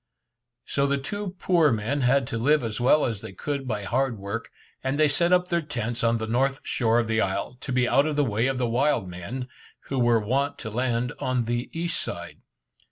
So the two poor men had to live as well as they could by hard work, and they set up their tents on the north shore of the isle, to be out of the way of the wild men, who were wont to land on the east side.